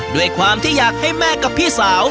ด้วยความที่อยากให้แม่กับพี่สาว